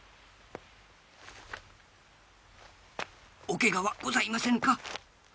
おけがはございませぬか？